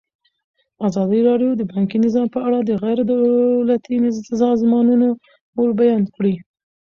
ازادي راډیو د بانکي نظام په اړه د غیر دولتي سازمانونو رول بیان کړی.